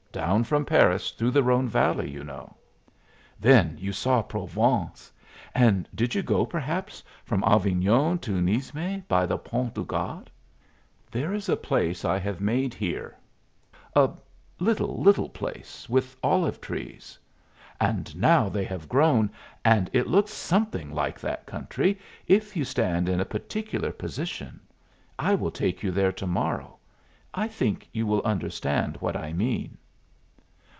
Down from Paris through the Rhone Valley, you know." "Then you saw Provence! And did you go, perhaps, from Avignon to Nismes by the Pont du Gard? There is a place I have made here a little, little place with olive trees. And now they have grown, and it looks something like that country, if you stand in a particular position. I will take you there to morrow. I think you will understand what I mean."